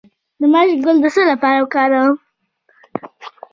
د ماش ګل د څه لپاره وکاروم؟